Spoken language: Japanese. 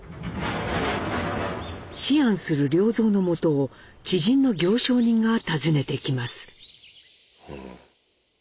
思案する良三のもとを知人の行商人が訪ねてきます。